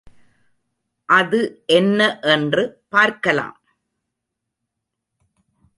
அது என்ன என்று பார்க்கலாம்.